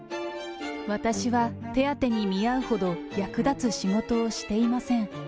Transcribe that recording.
私は手当に見合うほど役立つ仕事をしていません。